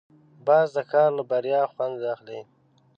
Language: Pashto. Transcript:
باز د ښکار له بریا خوند اخلي